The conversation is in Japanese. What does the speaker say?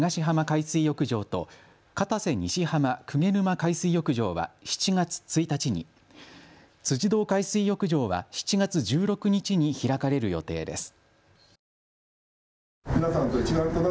海水浴場と片瀬西浜・鵠沼海水浴場は７月１日に、辻堂海水浴場は７月１６日に開かれる予定です。